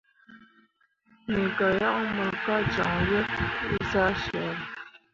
Me ga yaŋ mor ka joŋ yeb zah syare.